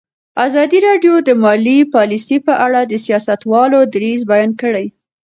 ازادي راډیو د مالي پالیسي په اړه د سیاستوالو دریځ بیان کړی.